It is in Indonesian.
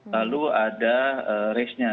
lalu ada race nya